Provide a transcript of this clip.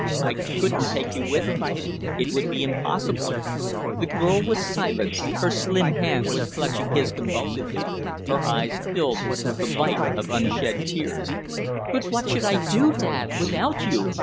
"I couldn't take you with me. It would be impossible." The girl was silent; her slim hand was clutching his convulsively; her eyes filled with the light of unshed tears. "But what should I do, dad, without you?"